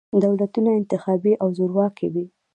دولتونه انتخابي او زورواکي وي.